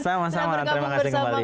sama sama dan terima kasih kembali